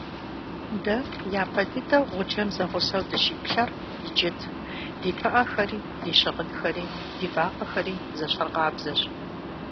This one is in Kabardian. Дэ япэ дыдэу гъуджэм зэгъусэу дыщиплъэр иджыт: ди пыӀэхэри, ди щыгъынхэри, ди вакъэхэри зэщхьыркъабзэщ.